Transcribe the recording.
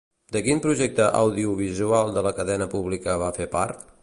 De quin altre projecte audiovisual de la cadena pública va fer part?